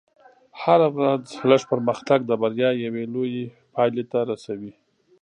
هره ورځ لږ پرمختګ د بریا یوې لوېې پایلې ته رسوي.